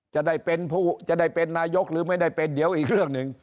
จะได้เป็นผู้จะได้เป็นนายกหรือไม่ได้เป็นเดี๋ยวอีกเรื่องหนึ่ง